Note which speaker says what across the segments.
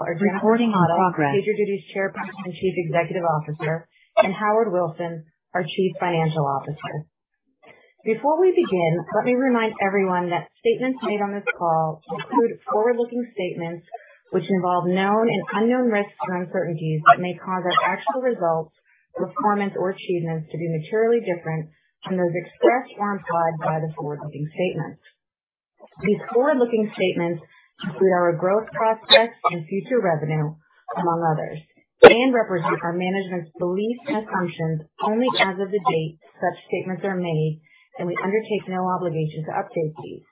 Speaker 1: Recording in progress.
Speaker 2: PagerDuty's Chairperson and Chief Executive Officer, and Howard Wilson, our Chief Financial Officer. Before we begin, let me remind everyone that statements made on this call include forward-looking statements which involve known and unknown risks or uncertainties that may cause our actual results, performance or achievements to be materially different from those expressed or implied by the forward-looking statements. These forward-looking statements include our growth prospects and future revenue, among others, and represent our management's beliefs and assumptions only as of the date such statements are made, and we undertake no obligation to update these.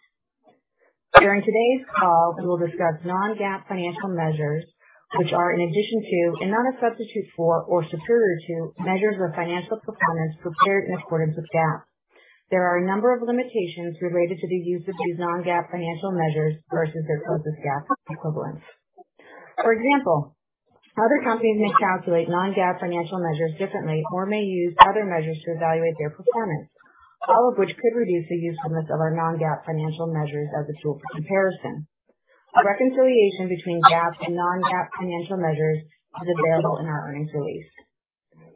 Speaker 2: During today's call, we will discuss non-GAAP financial measures, which are in addition to and not a substitute for or superior to measures of financial performance prepared in accordance with GAAP. There are a number of limitations related to the use of these non-GAAP financial measures versus their closest GAAP equivalents. For example, other companies may calculate non-GAAP financial measures differently or may use other measures to evaluate their performance, all of which could reduce the usefulness of our non-GAAP financial measures as a tool for comparison. A reconciliation between GAAP and non-GAAP financial measures is available in our earnings release.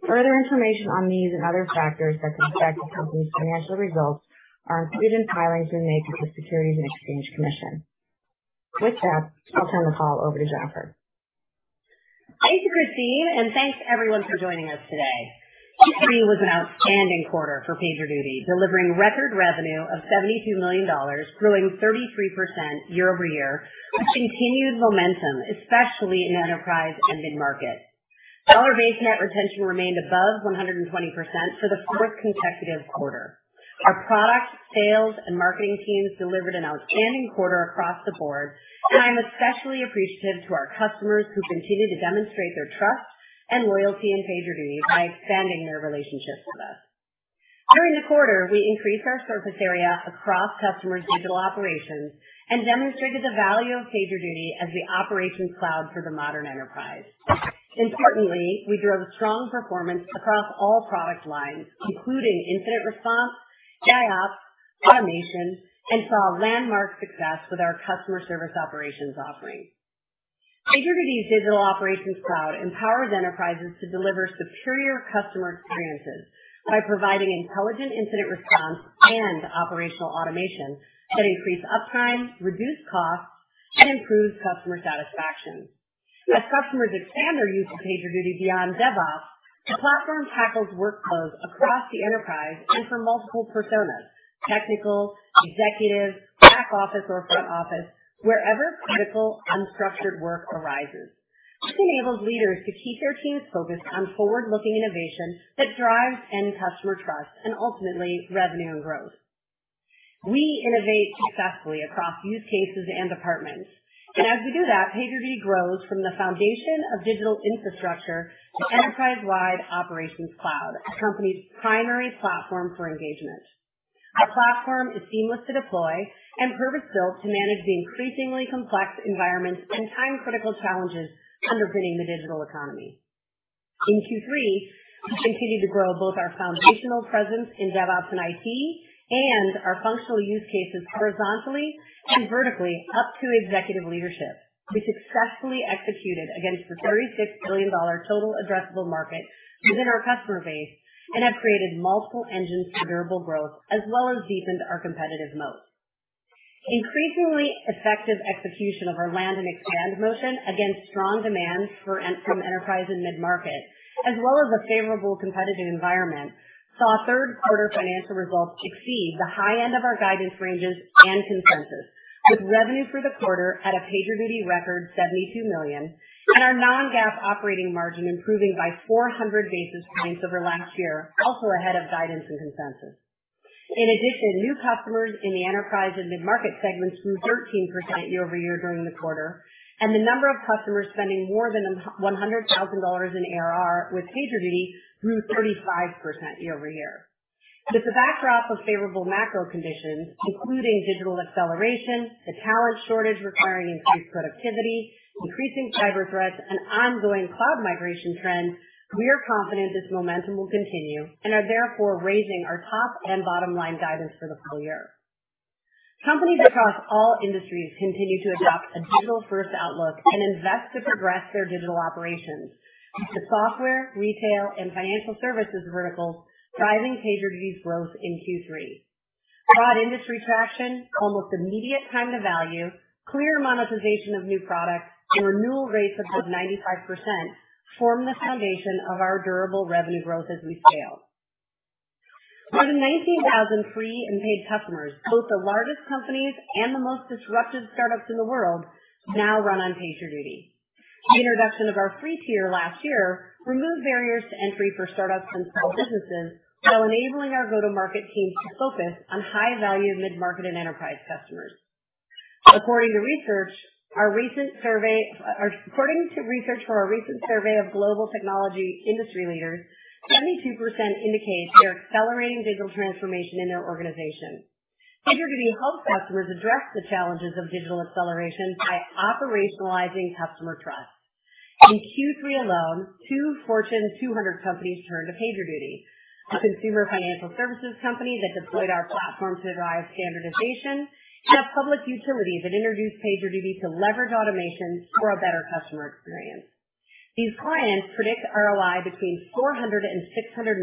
Speaker 2: Further information on these and other factors that could affect the company's financial results are included in filings we made with the Securities and Exchange Commission. With that, I'll turn the call over to Jennifer.
Speaker 3: Thank you, Christine, and thanks, everyone, for joining us today. Q3 was an outstanding quarter for PagerDuty, delivering record revenue of $72 million, growing 33% year-over-year with continued momentum, especially in enterprise end markets. Dollar-based net retention remained above 120% for the fourth consecutive quarter. Our product, sales, and marketing teams delivered an outstanding quarter across the board, and I'm especially appreciative to our customers who continue to demonstrate their trust and loyalty in PagerDuty by expanding their relationships with us. During the quarter, we increased our surface area across customers' digital operations and demonstrated the value of PagerDuty as the Operations Cloud for the modern enterprise. Importantly, we drove strong performance across all product lines, including incident response, AIOps, automation, and saw landmark success with our Customer Service Operations offering. PagerDuty Operations Cloud empowers enterprises to deliver superior customer experiences by providing intelligent incident response and operational automation that increase uptime, reduce costs, and improves customer satisfaction. As customers expand their use of PagerDuty beyond DevOps, the platform tackles workflows across the enterprise and for multiple personas, technical, executive, back office or front office, wherever critical, unstructured work arises. This enables leaders to keep their teams focused on forward-looking innovation that drives end customer trust and ultimately revenue and growth. We innovate successfully across use cases and departments, and as we do that, PagerDuty grows from the foundation of digital infrastructure to enterprise-wide Operations Cloud, a company's primary platform for engagement. Our platform is seamless to deploy and purpose-built to manage the increasingly complex environments and time-critical challenges underpinning the digital economy. In Q3, we continued to grow both our foundational presence in DevOps and IT and our functional use cases horizontally and vertically up to executive leadership. We successfully executed against the $36 billion total addressable market within our customer base and have created multiple engines for durable growth as well as deepened our competitive moat. Increasingly effective execution of our land and expand motion against strong demand from enterprise and mid-market, as well as a favorable competitive environment, saw third quarter financial results exceed the high end of our guidance ranges and consensus, with revenue for the quarter at a PagerDuty record $72 million and our non-GAAP operating margin improving by 400 basis points over last year, also ahead of guidance and consensus. In addition, new customers in the enterprise and mid-market segments grew 13% year-over-year during the quarter, and the number of customers spending more than $100,000 in ARR with PagerDuty grew 35% year-over-year. With the backdrop of favorable macro conditions, including digital acceleration, the talent shortage requiring increased productivity, increasing cyber threats, and ongoing cloud migration trends, we are confident this momentum will continue and are therefore raising our top and bottom line guidance for the full year. Companies across all industries continue to adopt a digital-first outlook and invest to progress their digital operations, with the software, retail, and financial services verticals driving PagerDuty's growth in Q3. Broad industry traction, almost immediate time to value, clear monetization of new products, and renewal rates above 95% form the foundation of our durable revenue growth as we scale. More than 19,000 free and paid customers, both the largest companies and the most disruptive startups in the world, now run on PagerDuty. The introduction of our free tier last year removed barriers to entry for startups and small businesses, while enabling our go-to-market team to focus on high-value mid-market and enterprise customers. According to research for our recent survey of global technology industry leaders, 72% indicate they're accelerating digital transformation in their organization. PagerDuty helps customers address the challenges of digital acceleration by operationalizing customer trust. In Q3 alone, two Fortune 200 companies turned to PagerDuty. A consumer financial services company that deployed our platform to drive standardization, and a public utility that introduced PagerDuty to leverage automation for a better customer experience. These clients predict ROI between 400% and 650%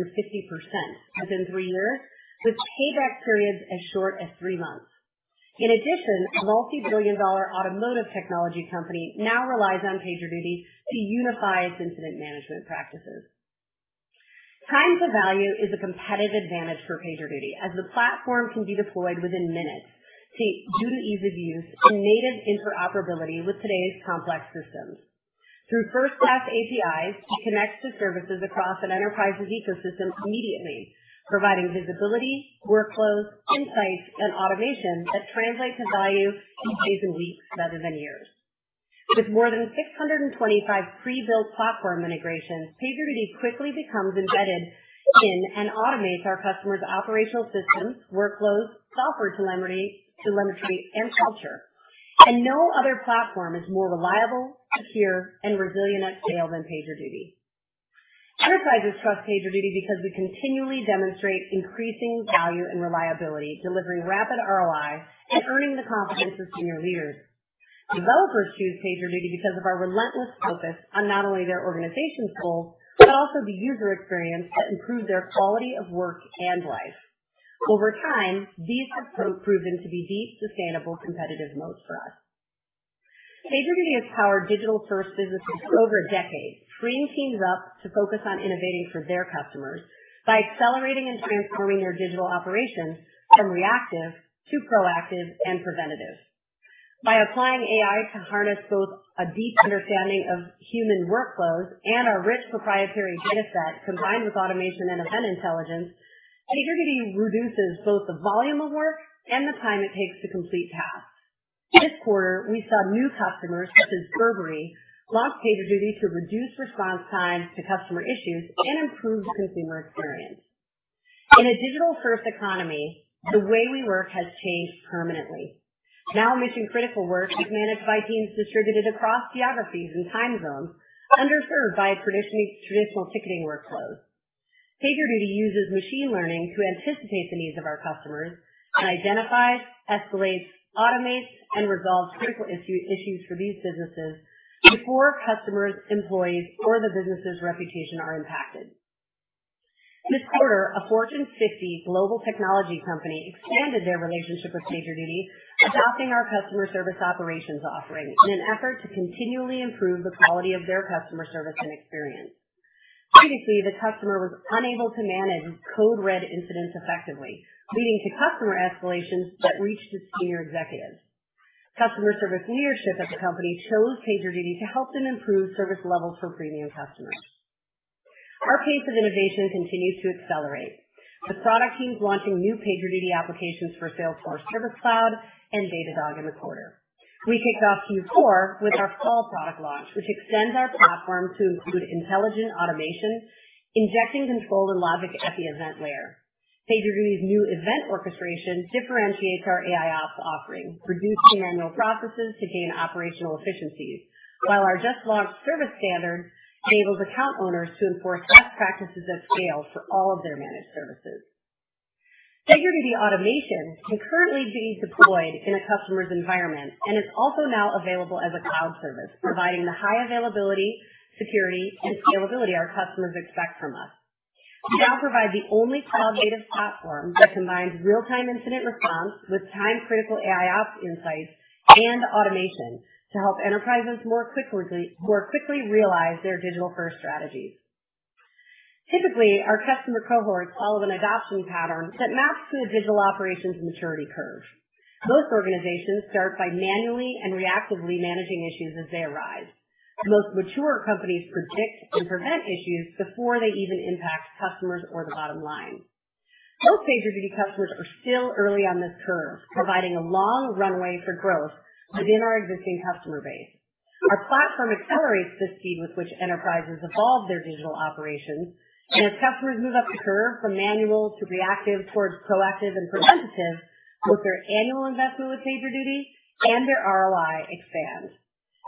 Speaker 3: within three years, with payback periods as short as three months. In addition, a multi-billion dollar automotive technology company now relies on PagerDuty to unify its incident management practices. Time to value is a competitive advantage for PagerDuty as the platform can be deployed within minutes due to ease of use and native interoperability with today's complex systems. Through first class APIs, it connects to services across an enterprise's ecosystem immediately, providing visibility, workflows, insights, and automation that translate to value in days and weeks rather than years. With more than 625 pre-built platform integrations, PagerDuty quickly becomes embedded in and automates our customers' operational systems, workflows, software telemetry, and culture. No other platform is more reliable, secure, and resilient at scale than PagerDuty. Enterprises trust PagerDuty because we continually demonstrate increasing value and reliability, delivering rapid ROI and earning the confidence of senior leaders. Developers choose PagerDuty because of our relentless focus on not only their organization's goals, but also the user experience that improves their quality of work and life. Over time, these have proven to be deep, sustainable competitive moats for us. PagerDuty has powered digital-first businesses for over a decade, freeing teams up to focus on innovating for their customers by accelerating and transforming their digital operations from reactive to proactive and preventative. By applying AI to harness both a deep understanding of human workflows and our rich proprietary data set combined with automation and Event Intelligence, PagerDuty reduces both the volume of work and the time it takes to complete tasks. This quarter, we saw new customers, such as Burberry, launch PagerDuty to reduce response times to customer issues and improve the consumer experience. In a digital-first economy, the way we work has changed permanently. Now mission-critical work is managed by teams distributed across geographies and time zones, underserved by traditional ticketing workflows. PagerDuty uses machine learning to anticipate the needs of our customers and identify, escalate, automate, and resolve critical issues for these businesses before customers, employees, or the business's reputation are impacted. This quarter, a Fortune 50 global technology company expanded their relationship with PagerDuty, adopting our Customer Service Operations offering in an effort to continually improve the quality of their customer service and experience. Previously, the customer was unable to manage code red incidents effectively, leading to customer escalations that reached its senior executives. Customer service leadership at the company chose PagerDuty to help them improve service levels for premium customers. Our pace of innovation continues to accelerate, with product teams launching new PagerDuty applications for Salesforce Service Cloud and Datadog in the quarter. We kicked off Q4 with our fall product launch, which extends our platform to include intelligent automation, injecting control and logic at the event layer. PagerDuty's new Event Orchestration differentiates our AIOps offering, reducing manual processes to gain operational efficiencies. While our just-launched Service Standards enables account owners to enforce best practices at scale for all of their managed services. PagerDuty Automation is currently being deployed in a customer's environment and is also now available as a cloud service, providing the high availability, security, and scalability our customers expect from us. We now provide the only cloud-native platform that combines real-time incident response with time-critical AIOps insights and automation to help enterprises more quickly realize their digital first strategies. Typically, our customer cohorts follow an adoption pattern that maps to the digital operations maturity curve. Most organizations start by manually and reactively managing issues as they arise. The most mature companies predict and prevent issues before they even impact customers or the bottom line. Most PagerDuty customers are still early on this curve, providing a long runway for growth within our existing customer base. Our platform accelerates the speed with which enterprises evolve their digital operations, and as customers move up the curve from manual to reactive towards proactive and preventative, both their annual investment with PagerDuty and their ROI expand.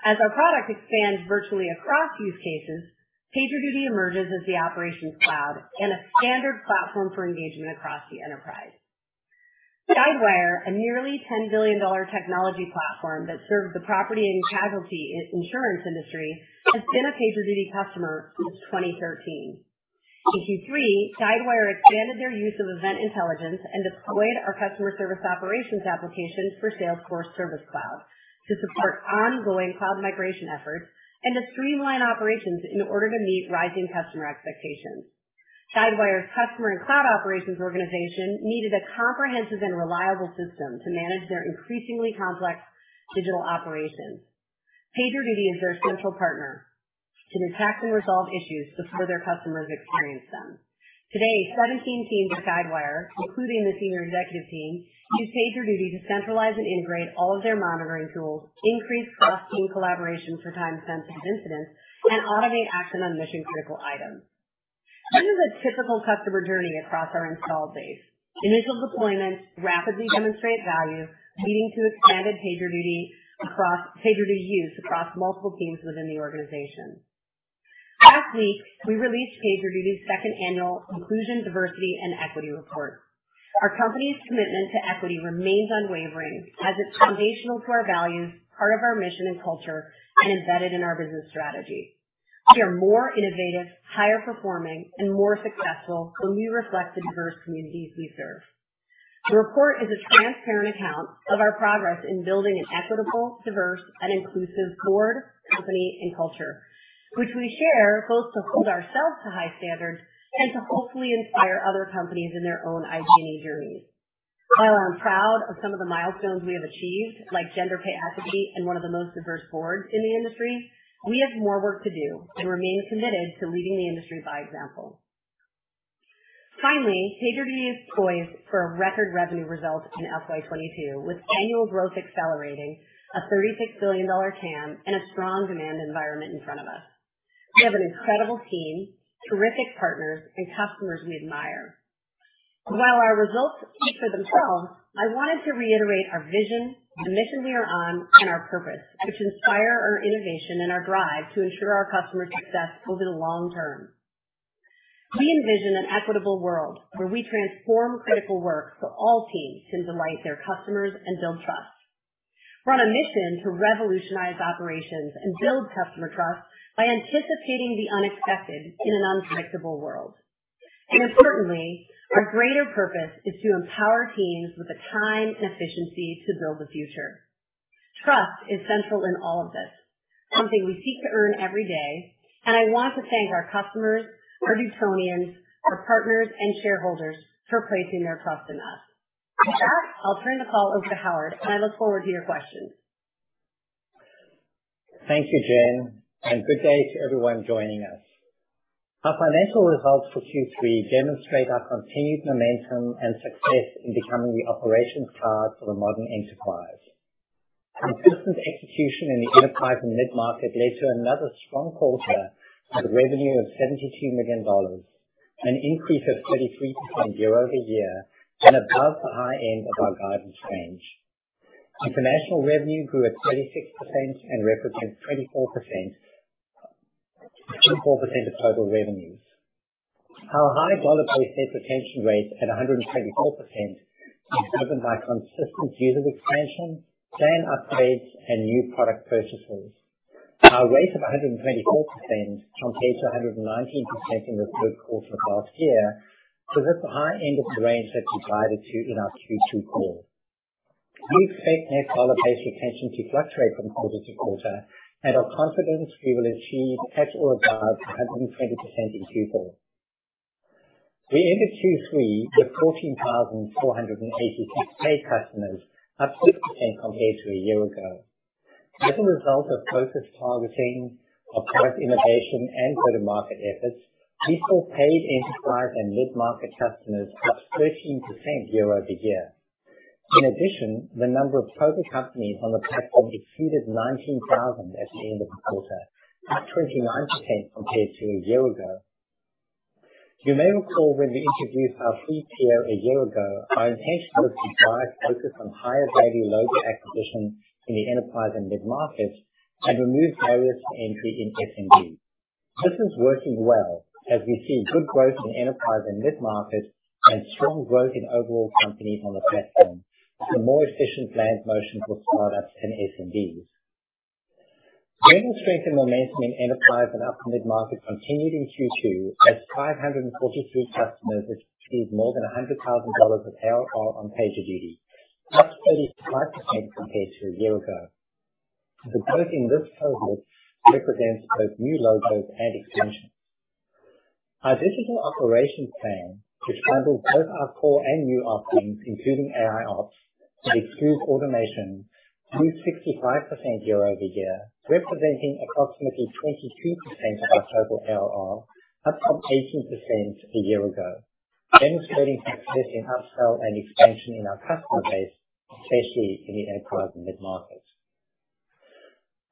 Speaker 3: As our product expands virtually across use cases, PagerDuty emerges as the operations cloud and a standard platform for engagement across the enterprise. Guidewire, a nearly $10 billion technology platform that serves the property and casualty insurance industry, has been a PagerDuty customer since 2013. In Q3, Guidewire expanded their use of Event Intelligence and deployed our Customer Service Operations applications for Salesforce Service Cloud to support ongoing cloud migration efforts and to streamline operations in order to meet rising customer expectations. Guidewire's customer and cloud operations organization needed a comprehensive and reliable system to manage their increasingly complex digital operations. PagerDuty is their central partner to detect and resolve issues before their customers experience them. Today, 17 teams at Guidewire, including the senior executive team, use PagerDuty to centralize and integrate all of their monitoring tools, increase cross-team collaboration for time-sensitive incidents, and automate action on mission-critical items. This is a typical customer journey across our installed base. Initial deployments rapidly demonstrate value, leading to expanded PagerDuty use across multiple teams within the organization. Last week, we released PagerDuty's second annual Inclusion, Diversity, and Equity Report. Our company's commitment to equity remains unwavering as it's foundational to our values, part of our mission and culture, and embedded in our business strategy. We are more innovative, higher performing, and more successful when we reflect the diverse communities we serve. The report is a transparent account of our progress in building an equitable, diverse, and inclusive board, company, and culture, which we share both to hold ourselves to high standards and to hopefully inspire other companies in their own ID&E journeys. While I'm proud of some of the milestones we have achieved, like gender pay equity and one of the most diverse boards in the industry, we have more work to do and remain committed to leading the industry by example. Finally, PagerDuty is poised for a record revenue result in FY 2022, with annual growth accelerating a $36 billion TAM and a strong demand environment in front of us. We have an incredible team, terrific partners, and customers we admire. While our results speak for themselves, I wanted to reiterate our vision, the mission we are on, and our purpose, which inspire our innovation and our drive to ensure our customer success over the long term. We envision an equitable world where we transform critical work so all teams can delight their customers and build trust. We're on a mission to revolutionize operations and build customer trust by anticipating the unexpected in an unpredictable world. Importantly, our greater purpose is to empower teams with the time and efficiency to build the future. Trust is central in all of this, something we seek to earn every day. I want to thank our customers, our Dutonians, our partners, and shareholders for placing their trust in us. With that, I'll turn the call over to Howard, and I look forward to your questions.
Speaker 4: Thank you, Jen, and good day to everyone joining us. Our financial results for Q3 demonstrate our continued momentum and success in becoming the operations cloud for the modern enterprise. Consistent execution in the enterprise and mid-market led to another strong quarter with revenue of $72 million, an increase of 33% year-over-year, and above the high end of our guidance range. International revenue grew at 36% and represents 24%, 24% of total revenues. Our high dollar-based net retention rate at 124% is driven by consistent user expansion, plan upgrades, and new product purchases. Our rate of 124% compares to 119% in the third quarter of last year to hit the high end of the range that we guided to in our Q2 call. We expect net dollar-based retention to fluctuate from quarter to quarter. We are confident we will achieve at or above 120% in Q4. We ended Q3 with 14,486 paid customers, up 6% compared to a year ago. As a result of focused targeting, our product innovation, and go-to-market efforts, we saw paid enterprise and mid-market customers up 13% year-over-year. In addition, the number of total companies on the platform exceeded 19,000 at the end of the quarter, up 29% compared to a year ago. You may recall when we introduced our free tier a year ago, our intention was to drive focus on higher value, lower acquisition in the enterprise and mid-markets and remove barriers to entry in SMB. This is working well as we see good growth in enterprise and mid-markets and strong growth in overall companies on the platform with a more efficient go-to-market motion for startups and SMBs. General strength and momentum in enterprise and mid-market continued in Q2 as 543 customers achieved more than $100,000 of ARR on PagerDuty, up 35% compared to a year ago. The growth in this cohort represents both new logos and expansion. Our Digital Operations Plan, which handles both our core and new offerings, including AIOps and Rundeck automation, grew 65% year-over-year, representing approximately 22% of our total ARR, up from 18% a year ago, demonstrating success in upsell and expansion in our customer base, especially in the enterprise and mid-markets.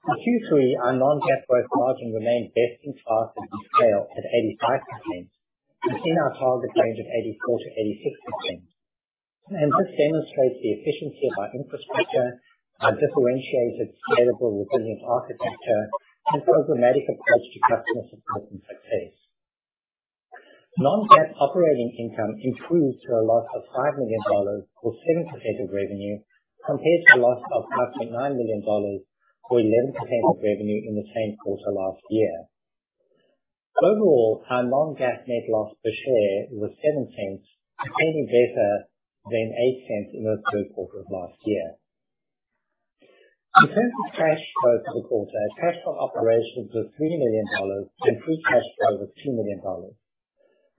Speaker 4: In Q3, our non-GAAP gross margin remained best-in-class and scaled at 85% within our target range of 84%-86%. This demonstrates the efficiency of our infrastructure, our differentiated, scalable, resilient architecture, and programmatic approach to customer support and success. Non-GAAP operating income improved to a loss of $5 million or 7% of revenue compared to a loss of $5.9 million or 11% of revenue in the same quarter last year. Overall, our non-GAAP net loss per share was $0.07, slightly better than $0.08 in the third quarter of last year. In terms of cash flow for the quarter, cash from operations was $3 million, and free cash flow was $2 million.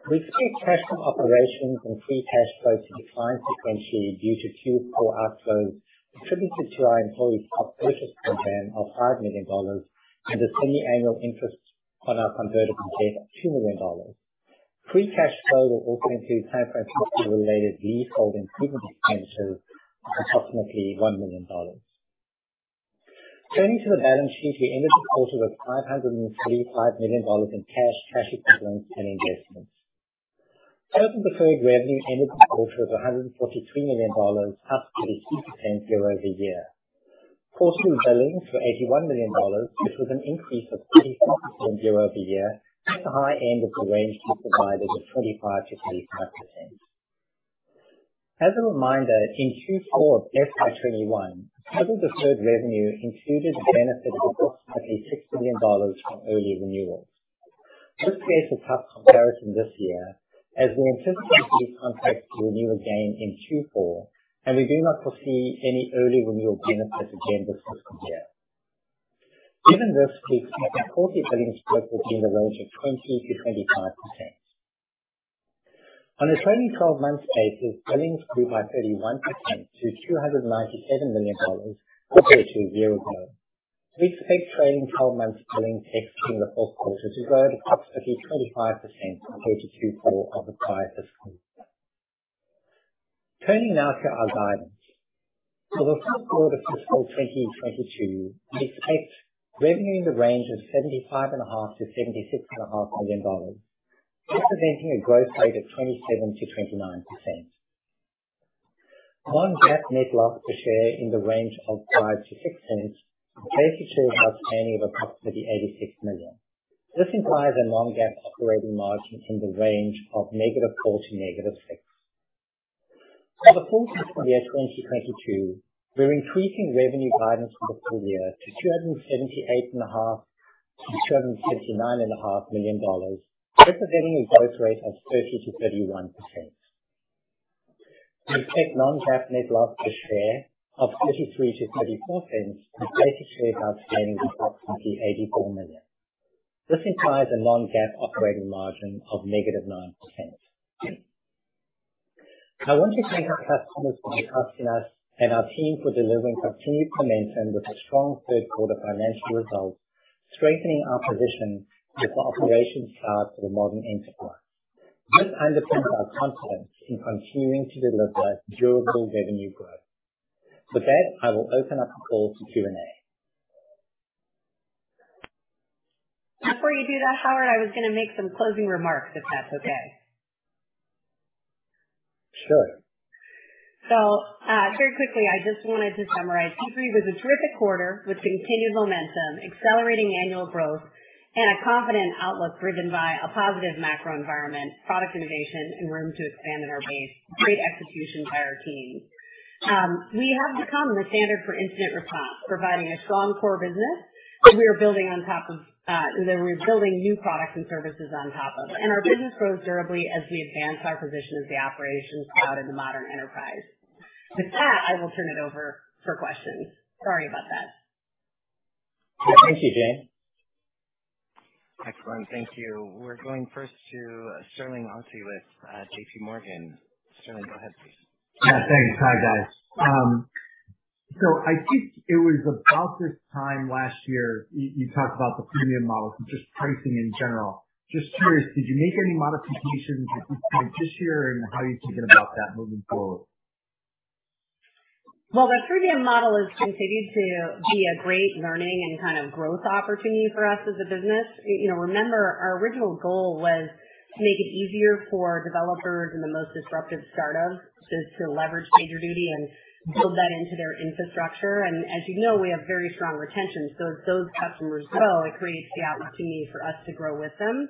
Speaker 4: We expect cash from operations and free cash flow to decline sequentially due to Q4 outflows attributed to our employee stock purchase program of $5 million and the semiannual interest on our convertible debt, $2 million. Free cash flow will also include platform-related leasehold improvement expenditures of approximately $1 million. Turning to the balance sheet, we ended the quarter with $535 million in cash equivalents, and investments. Total deferred revenue ended the quarter with $143 million, up 32% year-over-year. Quarterly billings were $81 million, which was an increase of 34% year-over-year, at the high end of the range we provided of 25%-35%. As a reminder, in Q4 of FY 2021, total deferred revenue included the benefit of approximately $6 million from early renewals. This creates a tough comparison this year, as we anticipate these contracts will renew again in Q4, and we do not foresee any early renewal benefits again this fiscal year. Given this, we expect our quarterly billings growth within the range of 20%-25%. On a trailing twelve months basis, billings grew by 31% to $297 million compared to a year ago. We expect trailing twelve months billings exiting the fourth quarter to grow at approximately 25% compared to Q4 of the prior fiscal year. Turning now to our guidance. For the fourth quarter fiscal 2022, we expect revenue in the range of $75.5 million-$76.5 million, representing a growth rate of 27%-29%. Non-GAAP net loss per share in the range of $0.05-$0.06 with shares outstanding of approximately 86 million. This implies a non-GAAP operating margin in the range of -4% to -6%. For the full fiscal year 2022, we're increasing revenue guidance for the full year to $278.5 million-$279.5 million, representing a growth rate of 30%-31%. We expect non-GAAP net loss per share of $0.33-$0.34 with basic shares outstanding of approximately $84 million. This implies a non-GAAP operating margin of -9%. I want to thank our customers for trusting us and our team for delivering continued momentum with a strong third quarter financial results, strengthening our position as the operations cloud for the modern enterprise. This underlines our confidence in continuing to deliver durable revenue growth. With that, I will open up the call to Q&A.
Speaker 3: Before you do that, Howard, I was gonna make some closing remarks, if that's okay.
Speaker 4: Sure.
Speaker 3: Very quickly, I just wanted to summarize. Q3 was a terrific quarter with continued momentum, accelerating annual growth, and a confident outlook driven by a positive macro environment, product innovation, and room to expand in our base. Great execution by our team. We have become the standard for incident response, providing a strong core business that we are building on top of, that we're building new products and services on top of. Our business grows durably as we advance our position as the operations cloud in the modern enterprise. With that, I will turn it over for questions. Sorry about that.
Speaker 4: Thank you, Jen.
Speaker 1: Excellent. Thank you. We're going first to Sterling Auty with JPMorgan. Sterling, go ahead, please.
Speaker 5: Yeah, thanks. Hi, guys. I think it was about this time last year, you talked about the premium model and just pricing in general. Just curious, did you make any modifications at this point this year, and how are you thinking about that moving forward?
Speaker 3: Well, the premium model has continued to be a great learning and kind of growth opportunity for us as a business. You know, remember, our original goal was to make it easier for developers in the most disruptive startups to leverage PagerDuty and build that into their infrastructure. As you know, we have very strong retention. As those customers grow, it creates the opportunity for us to grow with them.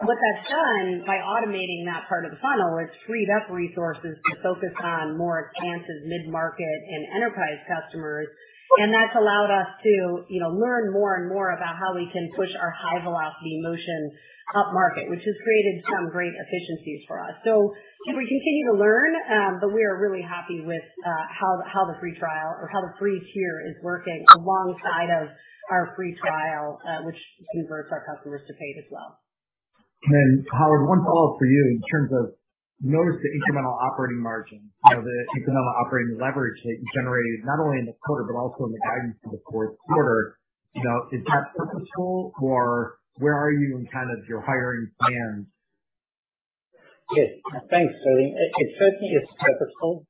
Speaker 3: What that's done, by automating that part of the funnel, it's freed up resources to focus on more advanced mid-market and enterprise customers. That's allowed us to, you know, learn more and more about how we can push our high velocity motion upmarket, which has created some great efficiencies for us. We continue to learn, but we are really happy with how the free trial or the free tier is working alongside of our free trial, which converts our customers to paid as well.
Speaker 5: Howard, one follow-up for you. In terms of noting the incremental operating margin, you know, the incremental operating leverage that you generated not only in the quarter but also in the guidance for the fourth quarter. You know, is that purposeful or where are you in kind of your hiring plans?
Speaker 4: Yes. Thanks, Sterling. It certainly is purposeful.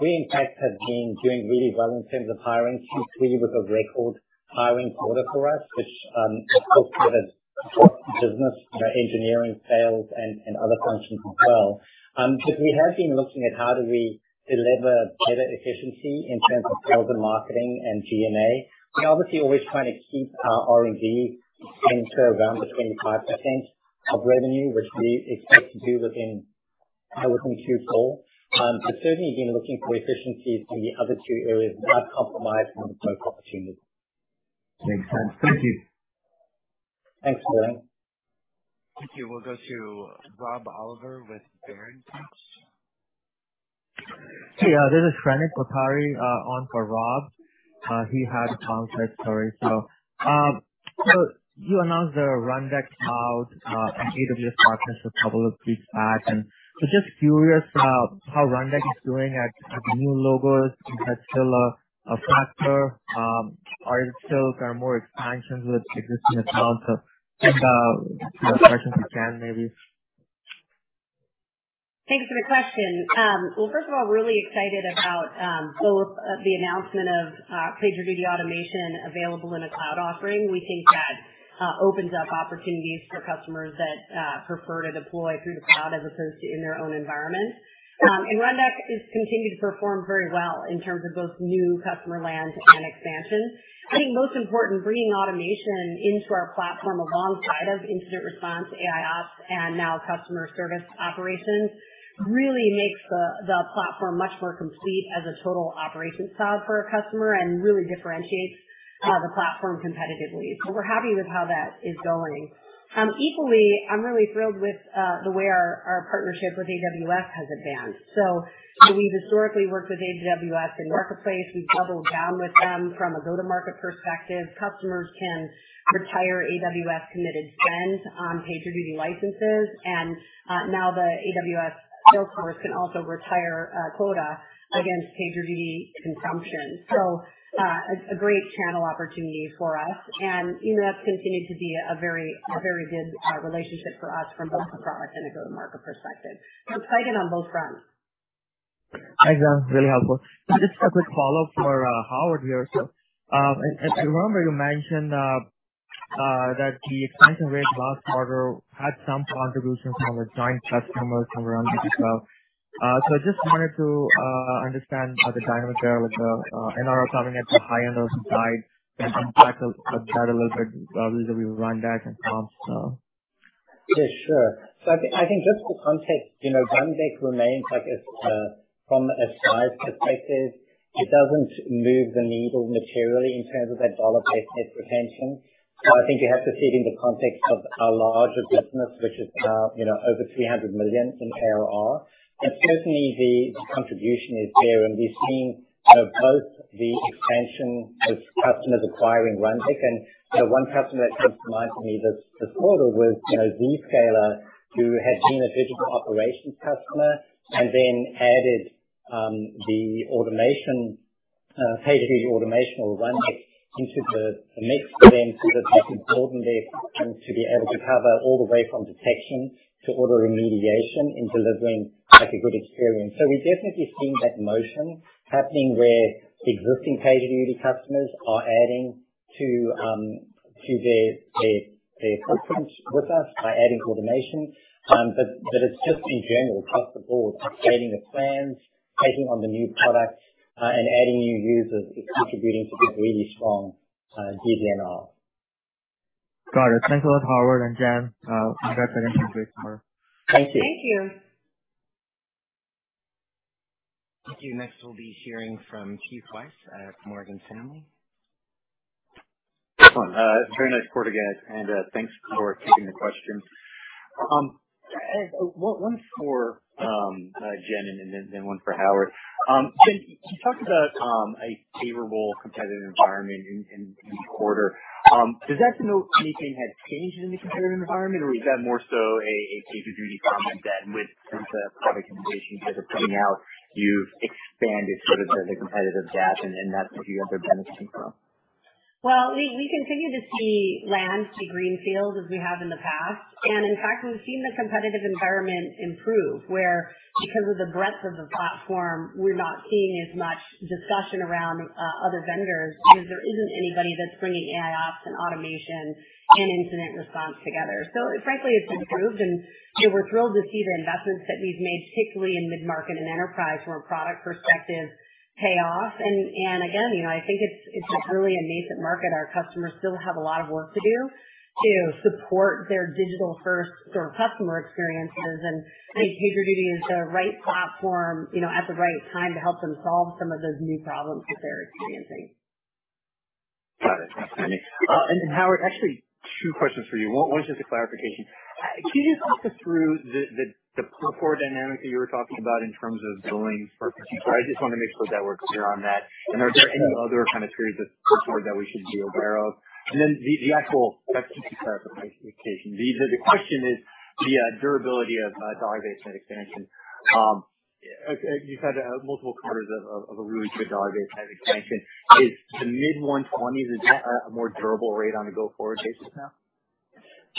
Speaker 4: We in fact have been doing really well in terms of hiring. Q3 was a record hiring quarter for us, which also supported business, you know, engineering, sales, and other functions as well. We have been looking at how do we deliver better efficiency in terms of sales and marketing and G&A. We obviously always trying to keep our R&D spend to around 25% of revenue, which we expect to do within Q4. Certainly, again, looking for efficiencies in the other two areas without compromising on growth opportunities.
Speaker 5: Makes sense. Thank you.
Speaker 4: Thanks, Sterling.
Speaker 1: Okay, we'll go to Rob Oliver with Baird.
Speaker 6: Hey, this is Shrenik Kothari on for Rob. He had a conflict, sorry. You announced the Rundeck Cloud and AWS partnership a couple of weeks back, and just curious how Rundeck is doing as new logos. Is that still a factor? Are you still kind of more expansions with existing accounts or see if I can expand maybe.
Speaker 3: Thanks for the question. Well, first of all, really excited about both the announcement of PagerDuty Automation available in a cloud offering. We think that opens up opportunities for customers that prefer to deploy through the cloud as opposed to in their own environment. Rundeck has continued to perform very well in terms of both new customer land and expansion. I think most important, bringing automation into our platform alongside of incident response AIOps and now Customer Service Operations really makes the platform much more complete as a total operations cloud for a customer and really differentiates the platform competitively. We're happy with how that is going. Equally, I'm really thrilled with the way our partnership with AWS has advanced. We've historically worked with AWS in Marketplace. We've doubled down with them from a go-to-market perspective. Customers can retire AWS committed spend on PagerDuty licenses, and now the AWS sales force can also retire quota against PagerDuty consumption. It's a great channel opportunity for us. AWS continued to be a very good relationship for us from both a product and a go-to-market perspective. Excited on both fronts.
Speaker 6: Thanks, Jen. Really helpful. Just a quick follow-up for Howard here. If I remember, you mentioned that the expansion rate last quarter had some contributions from the joint customers from Rundeck as well. I just wanted to understand the dynamic there with the NRR coming at the high end on some slides and unpack a bit a little bit with Rundeck and comps.
Speaker 4: Yeah, sure. I think just for context, you know, Rundeck remains like a from a size perspective, it doesn't move the needle materially in terms of that dollar-based net retention. I think you have to see it in the context of our larger business, which is now, you know, over $300 million in ARR. Certainly the contribution is there, and we're seeing, you know, both the expansion of customers acquiring Rundeck and, you know, one customer that comes to mind for me this quarter was, you know, Zscaler, who had been a digital operations customer and then added the automation, PagerDuty automation or Rundeck into the mix for them so that they can broaden their scope to be able to cover all the way from detection to auto remediation in delivering, like, a good experience. We're definitely seeing that motion happening where existing PagerDuty customers are adding to their footprint with us by adding automation. It's just in general, customers upgrading their plans, taking on the new products, and adding new users is contributing to the really strong DBNR.
Speaker 6: Got it. Thanks a lot, Howard and Jennifer. Congrats on a great quarter.
Speaker 4: Thank you.
Speaker 3: Thank you.
Speaker 1: Thank you. Next, we'll be hearing from Keith Weiss at Morgan Stanley.
Speaker 7: Excellent. Very nice quarter, guys, and thanks for taking the questions. I have one for Jen and then one for Howard. Jen, you talked about a favorable competitive environment in each quarter. Does that denote anything has changed in the competitive environment? Or is that more so a PagerDuty comment that with some of the product innovations that are coming out, you've expanded sort of the competitive gap and that's what you have the benefit from?
Speaker 3: We continue to see land, see greenfield as we have in the past. In fact, we've seen the competitive environment improve, where because of the breadth of the platform, we're not seeing as much discussion around other vendors because there isn't anybody that's bringing AIOps and automation and incident response together. Frankly, it's improved, and you know, we're thrilled to see the investments that we've made, particularly in mid-market and enterprise from a product perspective pay off. Again, you know, I think it's just really a nascent market. Our customers still have a lot of work to do to support their digital-first sort of customer experiences. I think PagerDuty is the right platform, you know, at the right time to help them solve some of those new problems that they're experiencing.
Speaker 7: Got it. That's handy. Howard, actually two questions for you. One's just a clarification. Can you just talk us through the platform dynamic that you were talking about in terms of billings for Q4? I just want to make sure that we're clear on that. Are there any other kind of trends this quarter that we should be aware of? Then the actual question, just clarification. The question is the durability of dollar-based net expansion. You've had multiple quarters of a really good dollar-based net expansion. Is the mid-120s a more durable rate on a go-forward basis now?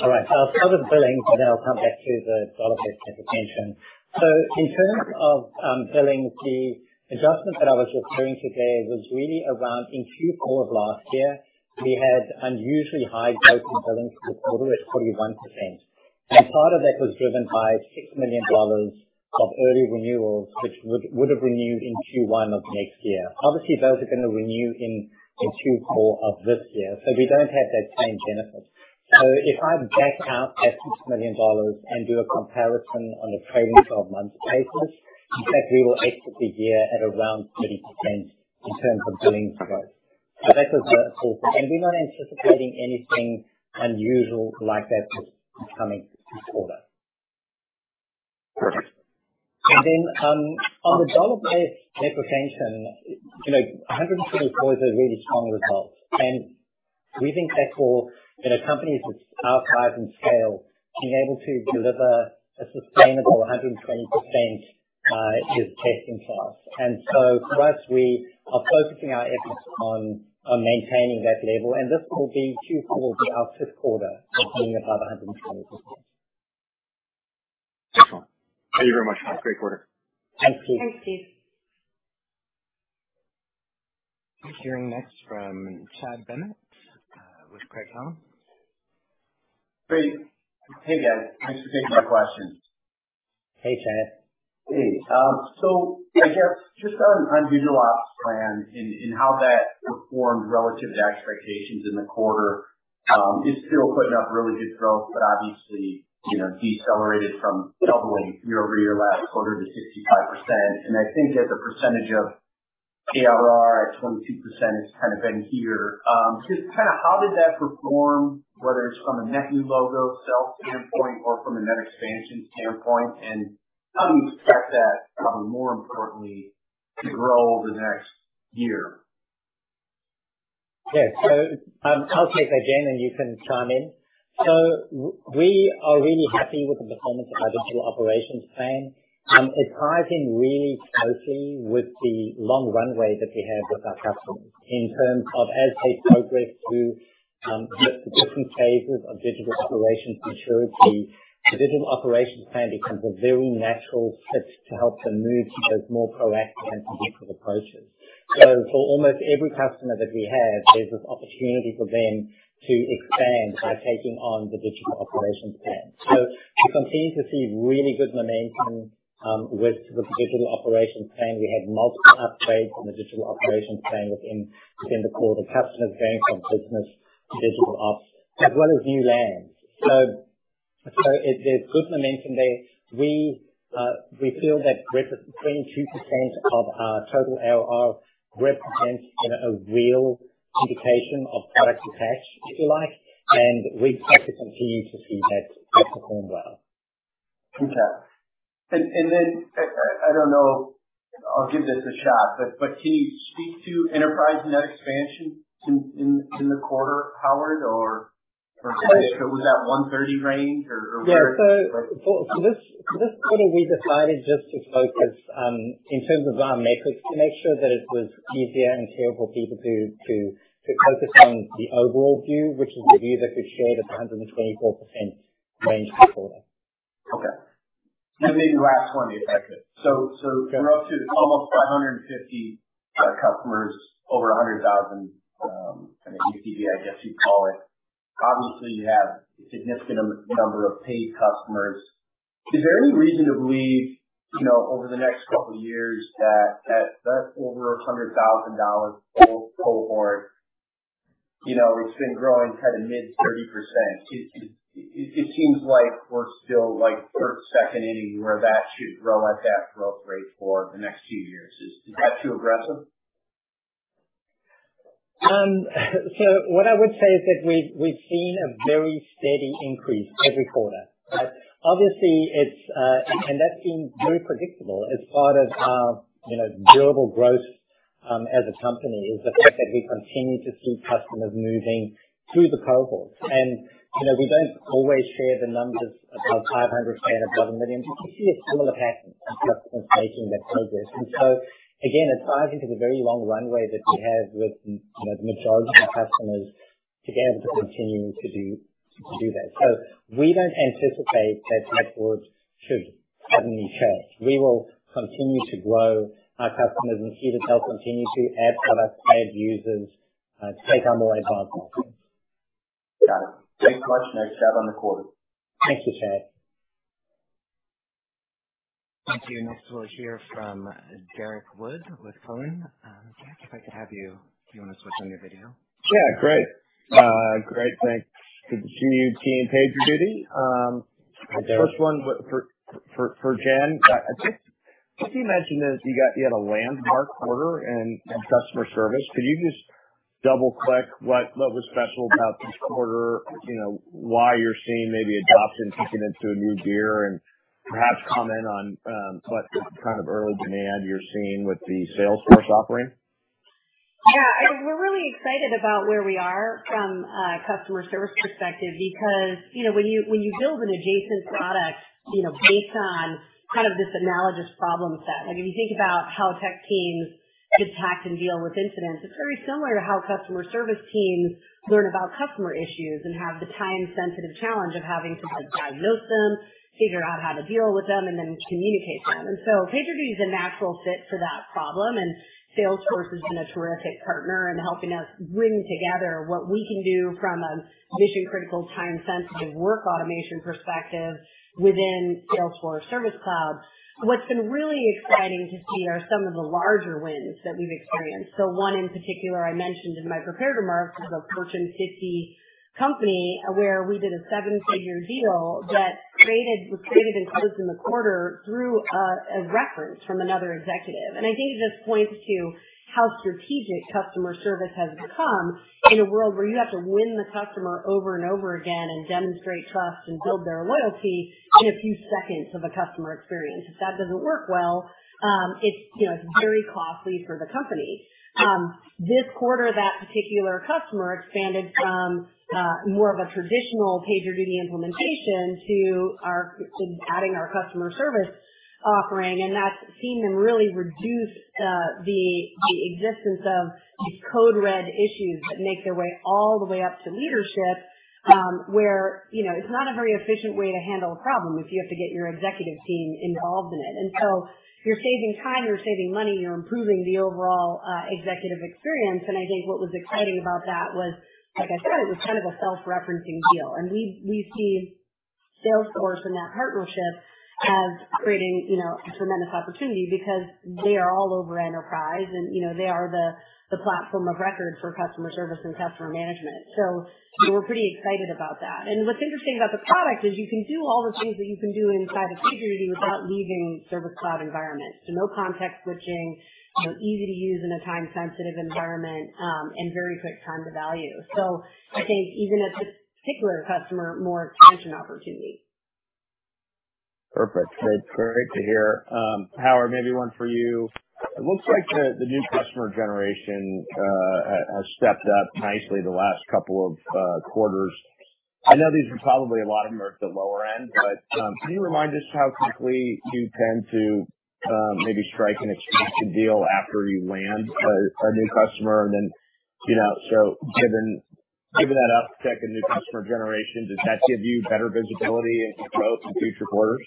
Speaker 4: All right. I'll start with billings, and then I'll come back to the dollar-based net expansion. In terms of billings, the adjustment that I was referring to there was really around in Q4 of last year, we had unusually high growth in billings for the quarter at 41%. Part of that was driven by $6 million of early renewals, which would have renewed in Q1 of next year. Obviously, those are gonna renew in Q4 of this year, so we don't have that same benefit. If I back out that $6 million and do a comparison on a trailing twelve months basis, in fact we will exit the year at around 30% in terms of billings growth. That is the full thing. We're not anticipating anything unusual like that this coming quarter.
Speaker 7: Perfect.
Speaker 4: On the dollar-based net expansion, you know, 124 is a really strong result. We think that for, you know, companies with our size and scale, being able to deliver a sustainable 120% is testament. For us, we are focusing our efforts on maintaining that level, and this will be Q4, our fifth quarter of being above 120%.
Speaker 7: Excellent. Thank you very much. Have a great quarter.
Speaker 4: Thank you.
Speaker 3: Thanks, Keith Weiss.
Speaker 1: I'm hearing next from Chad Bennett with Craig-Hallum.
Speaker 8: Great. Hey guys, thanks for taking my questions.
Speaker 4: Hey, Chad.
Speaker 8: Hey, so I guess just on Digital Operations plan and how that performed relative to expectations in the quarter, it's still putting up really good growth, but obviously, you know, decelerated from doubling year-over-year last quarter to 65%. I think as a percentage of ARR at 22%, it's kind of been here. Just kinda how did that perform, whether it's from a net new logo sales standpoint or from a net expansion standpoint, and how do you expect that, more importantly, to grow over the next year?
Speaker 4: Yeah. I'll take that, Jen, and you can chime in. We are really happy with the performance of our Digital Operations plan. It ties in really closely with the long runway that we have with our customers in terms of as they progress through the different phases of digital operations maturity, the Digital Operations plan becomes a very natural fit to help them move to those more proactive and predictive approaches. For almost every customer that we have, there's this opportunity for them to expand by taking on the Digital Operations plan. We continue to see really good momentum with the Digital Operations plan. We have multiple upgrades in the Digital Operations plan within the core of the customers going from business to digital ops as well as new lands. There's good momentum there. We feel that 22% of our total ARR represents, you know, a real indication of product attach, if you like, and we expect to continue to see that perform well.
Speaker 8: Okay. I don't know, I'll give this a shot, but can you speak to enterprise net expansion in the quarter, Howard, or was that 130% range or?
Speaker 4: Yeah, for this quarter, we decided just to focus in terms of our metrics to make sure that it was easier and clearer for people to focus on the overall view, which is the view that we shared at the 124% range before.
Speaker 8: Okay. Then last one, if I could. You're up to almost 550 customers over $100,000, kind of ADB, I guess you'd call it. Obviously you have a significant number of paid customers. Is there any reason to believe, you know, over the next couple years that that over $100,000 dollar cohort, you know, it's been growing kind of mid-30%. It seems like we're still like first, second inning where that should grow at that growth rate for the next few years. Is that too aggressive?
Speaker 4: What I would say is that we've seen a very steady increase every quarter. Obviously it's been very predictable as part of our, you know, durable growth as a company, is the fact that we continue to see customers moving through the cohorts. You know, we don't always share the numbers above 500 and above 1 million, but you see a similar pattern and fluctuation that progress. It ties into the very long runway that we have with, you know, the majority of our customers together to continue to do that. We don't anticipate that cohort should suddenly change. We will continue to grow our customers, and PagerDuty will continue to add products, add users to take on more advisors.
Speaker 8: Got it. Thanks so much. Nice to have you on the call.
Speaker 4: Thank you, Chad.
Speaker 1: Thank you. Next we'll hear from Derrick Wood with Cowen. Derrick, if I could have you, do you wanna switch on your video?
Speaker 9: Yeah. Great, thanks. Good to see you, team and PagerDuty. My first one for Jen. I think you mentioned that you had a landmark quarter in customer service. Could you just double click what was special about this quarter, you know, why you're seeing maybe adoption kicking into a new gear and perhaps comment on what kind of early demand you're seeing with the Salesforce offering?
Speaker 3: Yeah. I mean, we're really excited about where we are from a customer service perspective because, you know, when you build an adjacent product, you know, based on kind of this analogous problem set, like when you think about how tech teams detect and deal with incidents, it's very similar to how customer service teams learn about customer issues and have the time sensitive challenge of having to like diagnose them, figure out how to deal with them, and then communicate them. PagerDuty is a natural fit to that problem, and Salesforce has been a terrific partner in helping us bring together what we can do from a mission critical time sensitive work automation perspective within Salesforce Service Cloud. What's been really exciting to see are some of the larger wins that we've experienced. One in particular I mentioned in my prepared remarks was a Fortune 50 company where we did a seven-figure deal that was created and closed in the quarter through a reference from another executive. I think it just points to how strategic customer service has become in a world where you have to win the customer over and over again and demonstrate trust and build their loyalty in a few seconds of a customer experience. If that doesn't work well, it's, you know, it's very costly for the company. This quarter, that particular customer expanded from more of a traditional PagerDuty implementation to our adding our customer service offering. That's seen them really reduce the existence of these code red issues that make their way all the way up to leadership, where, you know, it's not a very efficient way to handle a problem if you have to get your executive team involved in it. You're saving time, you're saving money, you're improving the overall executive experience. I think what was exciting about that was, like I said, it was kind of a self-referencing deal. We see Salesforce in that partnership as creating, you know, a tremendous opportunity because they are all over enterprise and, you know, they are the platform of record for customer service and customer management. We're pretty excited about that. What's interesting about the product is you can do all the things that you can do inside of PagerDuty without leaving Service Cloud environment. No context switching, you know, easy to use in a time sensitive environment, and very quick time to value. I think even a particular customer, more expansion opportunity.
Speaker 9: Perfect. That's great to hear. Howard, maybe one for you. It looks like the new customer generation has stepped up nicely the last couple of quarters. I know these are probably a lot of them are at the lower end, but can you remind us how quickly you tend to maybe strike an expansion deal after you land a new customer? Then, you know, given that uptick in new customer generation, does that give you better visibility into growth in future quarters?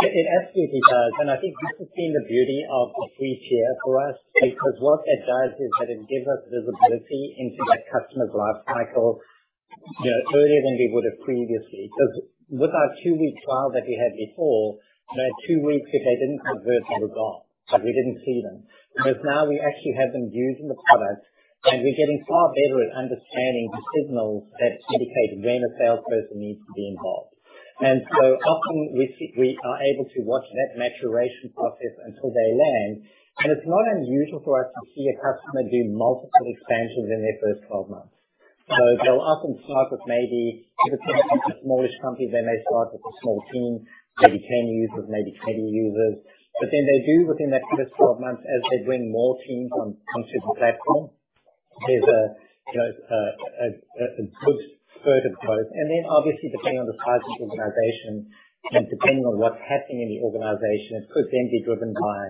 Speaker 4: It absolutely does. I think this has been the beauty of the free tier for us, because what it does is that it gives us visibility into that customer's life cycle, you know, earlier than we would have previously, because with our two week trial that we had before, you know, two weeks if they didn't convert, they were gone. Like, we didn't see them. Whereas now we actually have them using the product, and we're getting far better at understanding the signals that indicate when a salesperson needs to be involved. Often we are able to watch that maturation process until they land. It's not unusual for us to see a customer do multiple expansions in their first 12 months. They'll often start with maybe, if it's a smallish company, they may start with a small team, maybe 10 users, maybe 20 users. But then they do within that first 12 months as they bring more teams on, onto the platform. There's a you know a good spurt of growth. And then obviously depending on the size of the organization and depending on what's happening in the organization, it could then be driven by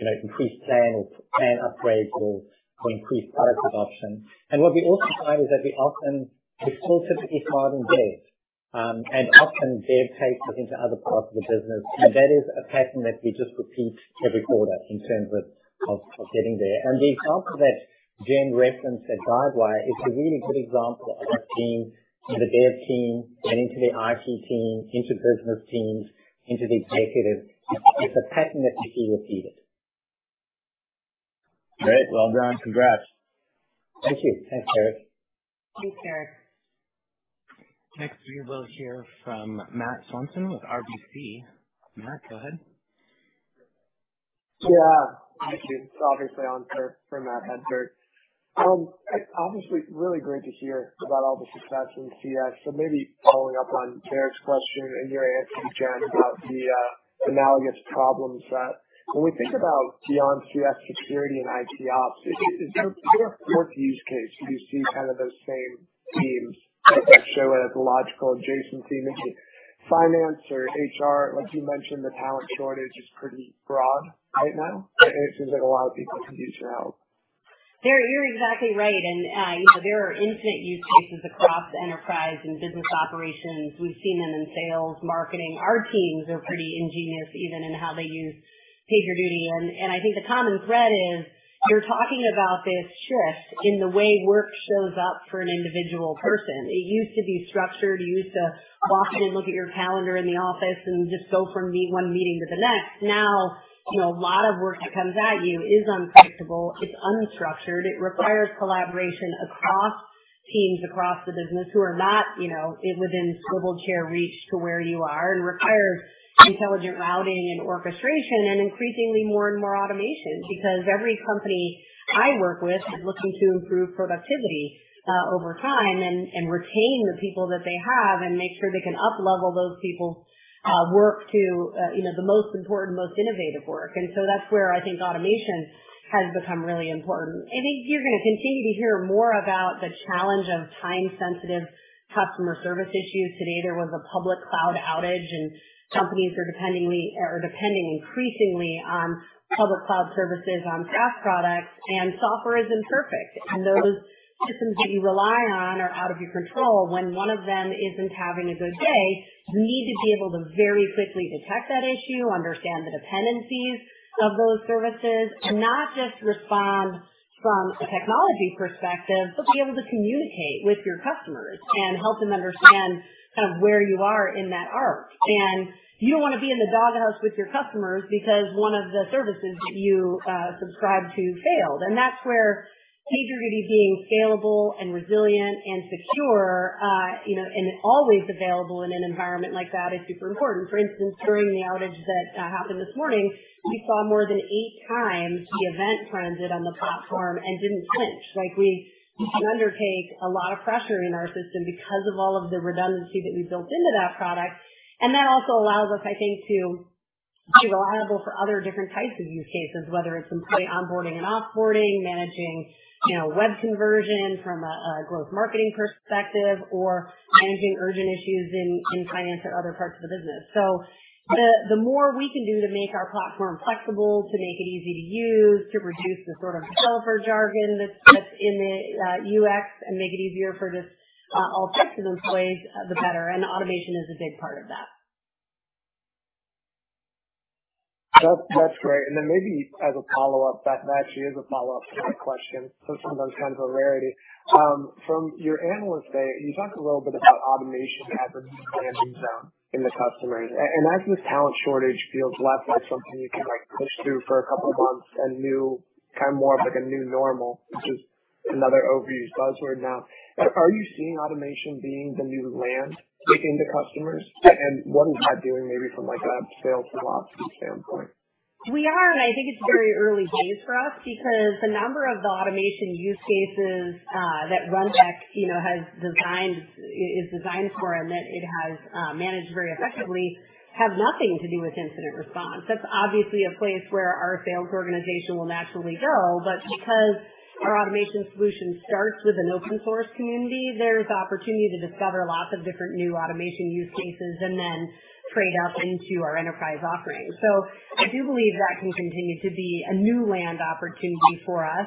Speaker 4: you know increased plan or plan upgrades or increased product adoption. And what we also find is that we often exhaustively farm dev and often dev takes it into other parts of the business. And that is a pattern that we just repeat every quarter in terms of getting there. The example that Jen referenced at Guidewire is a really good example of that being in the dev team and into the IT team, into business teams, into the executives. It's a pattern that we see repeated.
Speaker 9: Great. Well done. Congrats.
Speaker 4: Thank you. Thanks, Derrick.
Speaker 3: Thanks, Derrick.
Speaker 1: Next we will hear from Matt Hedberg with RBC. Matt, go ahead.
Speaker 10: Yeah. Thank you. Obviously on for Matt Hedberg. Obviously really great to hear about all the success in CS. Maybe following up on Derrick's question and your answer to Jennifer about the analogous problems that when we think about beyond CS security and IT ops, is there a fourth use case? Do you see kind of those same themes that show a logical adjacency into finance or HR? Like you mentioned, the talent shortage is pretty broad right now. It seems like a lot of people could use your help.
Speaker 3: You're exactly right. You know, there are infinite use cases across enterprise and business operations. We've seen them in sales, marketing. Our teams are pretty ingenious even in how they use PagerDuty. I think the common thread is you're talking about this shift in the way work shows up for an individual person. It used to be structured. You used to walk in and look at your calendar in the office and just go from meeting to meeting. Now, you know, a lot of work that comes at you is unpredictable, it's unstructured, it requires collaboration across teams, across the business who are not, you know, within swivel chair reach to where you are, and requires intelligent routing and orchestration and increasingly more and more automation. Because every company I work with is looking to improve productivity over time and retain the people that they have and make sure they can uplevel those people's work to you know the most important most innovative work. That's where I think automation has become really important. I think you're gonna continue to hear more about the challenge of time sensitive customer service issues. Today there was a public cloud outage and companies are depending increasingly on public cloud services on SaaS products and software isn't perfect. Those systems that you rely on are out of your control. When one of them isn't having a good day, you need to be able to very quickly detect that issue, understand the dependencies of those services, and not just respond from a technology perspective, but be able to communicate with your customers and help them understand kind of where you are in that arc. You don't want to be in the doghouse with your customers because one of the services that you subscribe to failed. That's where PagerDuty being scalable and resilient and secure, you know, and always available in an environment like that is super important. For instance, during the outage that happened this morning, we saw more than 8x the event transit on the platform and didn't flinch. Like, we can undertake a lot of pressure in our system because of all of the redundancy that we built into that product. That also allows us, I think, to be reliable for other different types of use cases, whether it's employee onboarding and off-boarding, managing, you know, web conversion from a growth marketing perspective or managing urgent issues in finance or other parts of the business. The more we can do to make our platform flexible, to make it easy to use, to reduce the sort of developer jargon that's in the UX and make it easier for just all types of employees, the better. Automation is a big part of that.
Speaker 10: That's great. Maybe as a follow-up, that actually is a follow-up to my question. Those are sometimes kind of a rarity. From your Analyst Day, you talked a little bit about automation as a new landing zone in the customers. And as this talent shortage feels less like something you can, like, push through for a couple of months and now kind of more of like a new normal, which is another overused buzzword now, are you seeing automation being the new landing sticking to customers? What is that doing maybe from, like, a sales philosophy standpoint?
Speaker 3: We are, and I think it's very early days for us because a number of the automation use cases that Rundeck, you know, is designed for and that it has managed very effectively, have nothing to do with incident response. That's obviously a place where our sales organization will naturally go. Because our automation solution starts with an open source community, there's opportunity to discover lots of different new automation use cases and then trade up into our enterprise offering. I do believe that can continue to be a new land opportunity for us.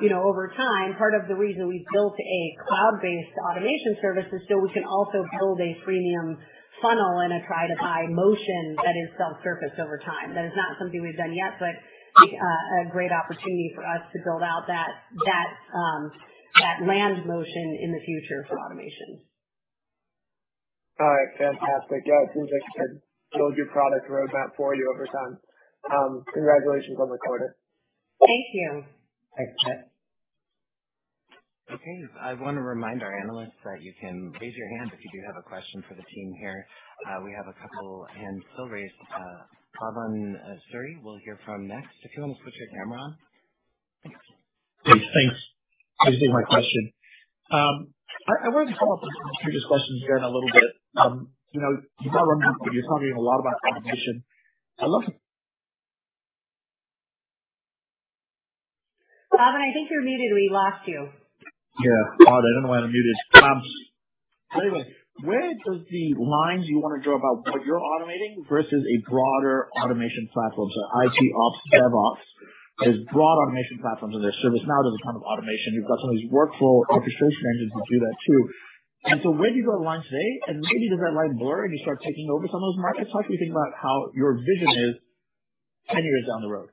Speaker 3: You know, over time, part of the reason we've built a cloud-based automation service is so we can also build a premium funnel and a try-to-buy motion that is self-service over time. That is not something we've done yet, but a great opportunity for us to build out that land motion in the future for automation.
Speaker 10: All right. Fantastic. Yeah, it seems like I build your product roadmap for you over time. Congratulations on the quarter.
Speaker 3: Thank you.
Speaker 4: Thanks.
Speaker 1: Okay. I wanna remind our analysts that you can raise your hand if you do have a question for the team here. We have a couple hands still raised. Bhavan Suri, we'll hear from next. If you wanna switch your camera on.
Speaker 11: Yes, thanks. I do have my question. I wanted to follow up on some of the previous questions here in a little bit. You know, you've got one point where you're talking a lot about competition. I love-
Speaker 3: Bhavan, I think you're muted. We lost you.
Speaker 11: Yeah. Oh, I don't know why I'm muted. Anyway, where does the lines you wanna draw about what you're automating versus a broader automation platform? IT ops, DevOps, there's broad automation platforms in there. ServiceNow does a ton of automation. You've got some of these workflow orchestration engines that do that too. Where do you draw the line today? Maybe does that line blur, and you start taking over some of those markets? How do you think about how your vision is ten years down the road?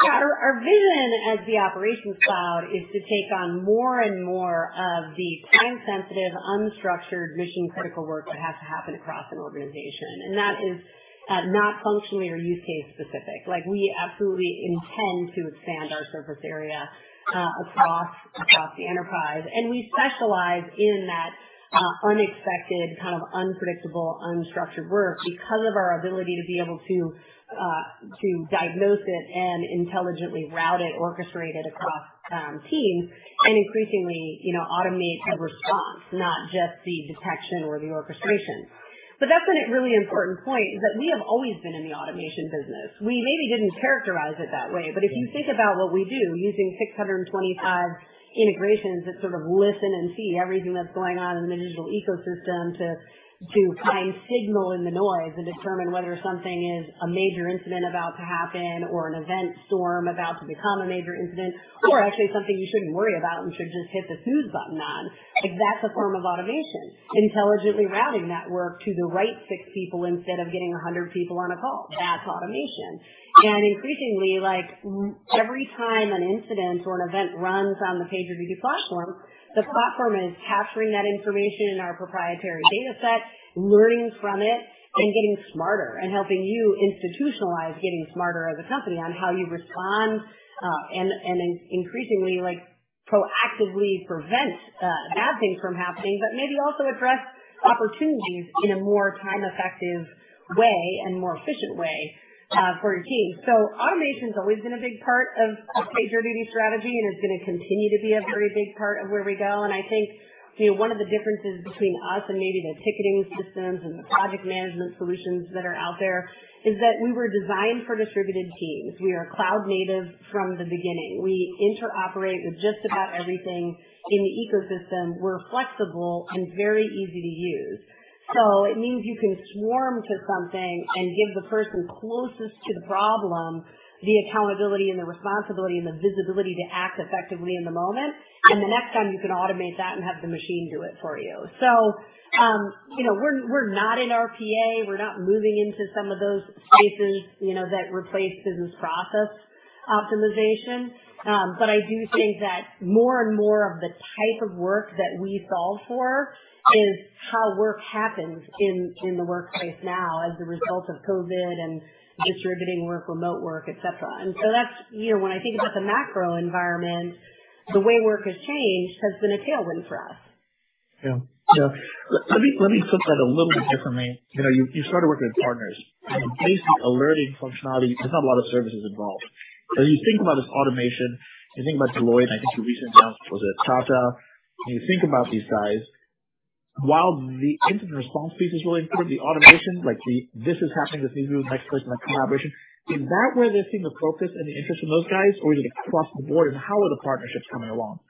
Speaker 3: Yeah. Our vision as the operations cloud is to take on more and more of the time-sensitive, unstructured, mission-critical work that has to happen across an organization. That is not functionally or use case specific. Like, we absolutely intend to expand our surface area across the enterprise. We specialize in that unexpected kind of unpredictable, unstructured work because of our ability to diagnose it and intelligently route it, orchestrate it across teams, and increasingly, you know, automate the response, not just the detection or the orchestration. That's been a really important point, is that we have always been in the automation business. We maybe didn't characterize it that way, but if you think about what we do, using 625 integrations that sort of listen and see everything that's going on in the digital ecosystem to find signal in the noise and determine whether something is a major incident about to happen or an event storm about to become a major incident or actually something you shouldn't worry about and should just hit the snooze button on. Like, that's a form of automation. Intelligently routing that work to the right six people instead of getting 100 people on a call, that's automation. Increasingly, like, every time an incident or an event runs on the PagerDuty platform, the platform is capturing that information in our proprietary data set, learning from it, and getting smarter and helping you institutionalize getting smarter as a company on how you respond, and increasingly, like, proactively prevent bad things from happening, but maybe also address opportunities in a more time effective way and more efficient way, for your team. Automation's always been a big part of the PagerDuty strategy, and it's gonna continue to be a very big part of where we go. I think, you know, one of the differences between us and maybe the ticketing systems and the project management solutions that are out there is that we were designed for distributed teams. We are cloud native from the beginning. We interoperate with just about everything in the ecosystem. We're flexible and very easy to use. It means you can swarm to something and give the person closest to the problem the accountability and the responsibility and the visibility to act effectively in the moment. The next time you can automate that and have the machine do it for you. You know, we're not in RPA. We're not moving into some of those spaces, you know, that replace business process optimization. I do think that more and more of the type of work that we solve for is how work happens in the workplace now as a result of COVID and distributing work, remote work, et cetera. That's, you know, when I think about the macro environment, the way work has changed has been a tailwind for us.
Speaker 11: Yeah. Let me flip that a little bit differently. You know, you started working with partners. Basic alerting functionality, there's not a lot of services involved. As you think about this automation, as you think about Deloitte, and I think your recent announcement was with Tata. When you think about these guys. While the incident response piece is really important, the automation, like this is happening, this needs to move next phase, next collaboration. Is that where they're seeing the focus and the interest from those guys, or is it across the board, and how are the partnerships coming along?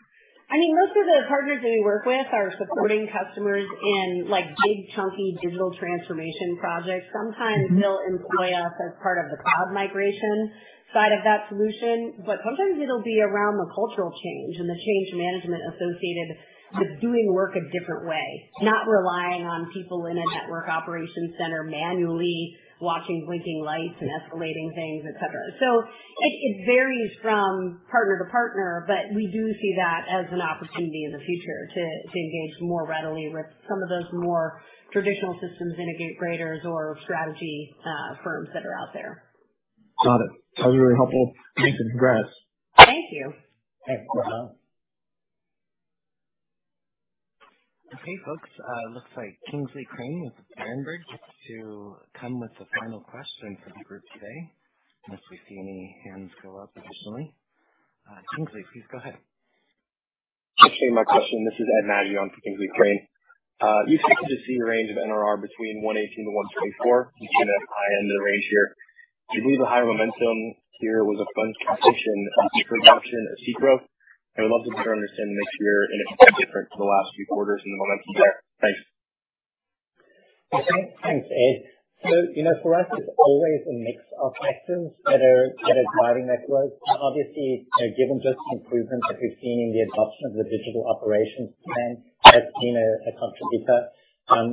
Speaker 3: I mean, most of the partners that we work with are supporting customers in like big chunky digital transformation projects. Sometimes they'll employ us as part of the cloud migration side of that solution, but sometimes it'll be around the cultural change and the change management associated with doing work a different way, not relying on people in a network operations center manually watching blinking lights and escalating things, et cetera. It varies from partner to partner, but we do see that as an opportunity in the future to engage more readily with some of those more traditional systems integrators or strategy firms that are out there.
Speaker 11: Got it. That was really helpful. Thanks, and congrats.
Speaker 3: Thank you.
Speaker 11: Yeah.
Speaker 1: Okay, folks. It looks like Kingsley Crane with Berenberg gets to come with the final question for the group today, unless we see any hands go up additionally. Kingsley, please go ahead.
Speaker 12: Actually, my question. This is Ed Madge in for Kingsley Crane. You stated the range of NRR to be between 118%-124%. You seem to high-end the range here. Do you believe the high momentum here was a function of improved adoption of customer growth? I would love to better understand the mix here and if it's been different to the last few quarters and the momentum there. Thanks.
Speaker 4: Thanks, Ed. You know, for us, it's always a mix of factors that are driving that growth. Obviously, you know, given just the improvement that we've seen in the adoption of the Digital Operations plan has been a contributor.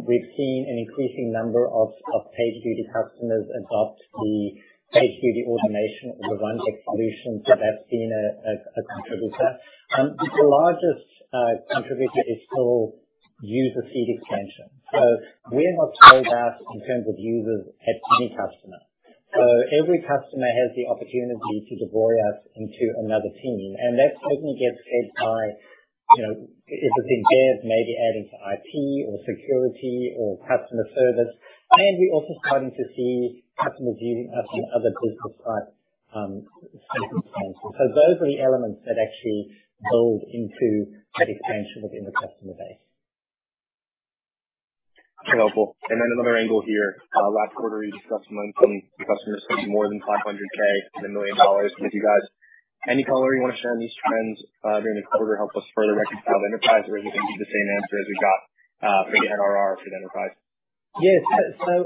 Speaker 4: We've seen an increasing number of PagerDuty customers adopt the PagerDuty Automation or Rundeck solutions. That's been a contributor. The largest contributor is still user seat expansion. We're not sold out in terms of users at any customer. Every customer has the opportunity to deploy us into another team. That certainly gets fed by, you know, if it's been embedded maybe added to IT or security or customer service. We're also starting to see customers using us in other business-side site expansions. Those are the elements that actually build into that expansion within the customer base.
Speaker 12: Helpful. Another angle here. Last quarter you discussed momentum from customers spending more than $500,000 to $1 million with you guys. Any color you wanna share on these trends during the quarter help us further reconcile the enterprise? You think it's the same answer as we got for the NRR for the enterprise?
Speaker 4: Yes.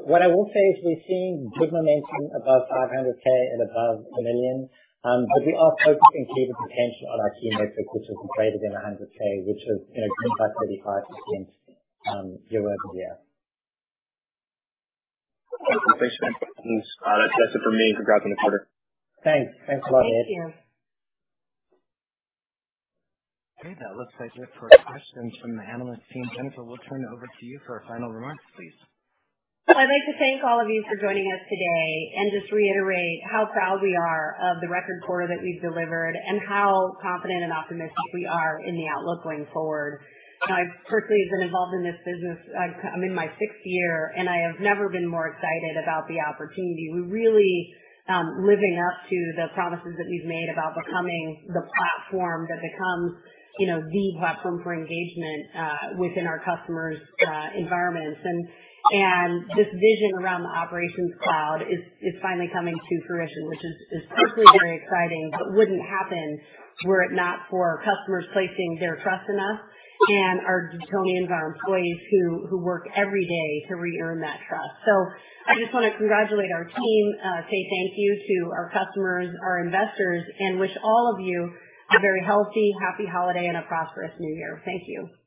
Speaker 4: What I will say is we're seeing good momentum above $500,000 and above $1 million. But we are focusing key potential on our key metric, which is, you know, grew by 35%, year-over-year.
Speaker 12: Okay. Thanks for that. That's it for me. Congrats on the quarter.
Speaker 4: Thanks. Thanks a lot, Ed.
Speaker 3: Thank you.
Speaker 1: Okay, that looks like it for questions from the analyst team. Jennifer, we'll turn it over to you for our final remarks, please.
Speaker 3: I'd like to thank all of you for joining us today and just reiterate how proud we are of the record quarter that we've delivered and how confident and optimistic we are in the outlook going forward. I've personally been involved in this business, like, I'm in my sixth year, and I have never been more excited about the opportunity. We're really living up to the promises that we've made about becoming the platform that becomes, you know, the platform for engagement within our customers' environments. And this vision around the operations cloud is finally coming to fruition, which is personally very exciting, but wouldn't happen were it not for our customers placing their trust in us and our talented and beyond employees who work every day to re-earn that trust. I just wanna congratulate our team, say thank you to our customers, our investors, and wish all of you a very healthy, happy holiday and a prosperous new year. Thank you.